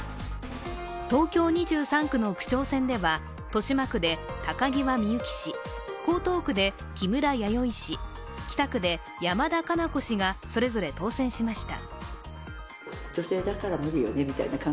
東京２３区の区長選では豊島区で高際みゆき氏、江東区で木村弥生氏北区で山田加奈子氏がそれぞれ当選しました。